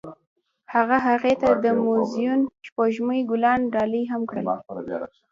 هغه هغې ته د موزون سپوږمۍ ګلان ډالۍ هم کړل.